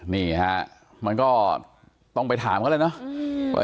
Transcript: นี่ฮะมันก็ต้องไปถามเขาแล้วเนาะ